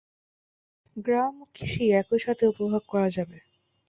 গ্রাম ও কৃষি একইসাথে উপভোগ করা যাবে।